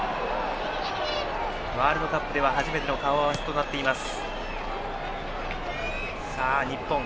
ワールドカップでは初めての顔合わせとなっています。